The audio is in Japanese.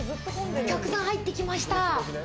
お客さん入ってきました。